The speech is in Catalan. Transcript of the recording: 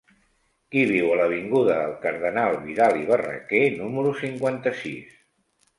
Qui viu a l'avinguda del Cardenal Vidal i Barraquer número cinquanta-sis?